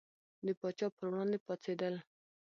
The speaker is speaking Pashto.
د پاچا پر وړاندې پاڅېدل.